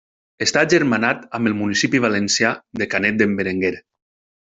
Està agermanat amb el municipi valencià de Canet d'en Berenguer.